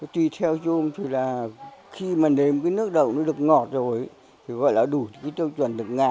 tùy theo chung thì là khi mà nếm cái nước đậu nó được ngọt rồi thì gọi là đủ cái châu chuẩn được ngả